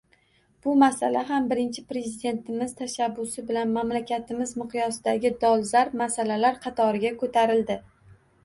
Bu masala ham Birinchi Prezidentimiz tashabbusi bilan mamlakatimiz miqyosidagi dolzarb masalalar qatoriga ko‘tarildi